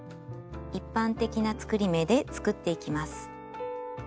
一般的な作り目で作っていきます。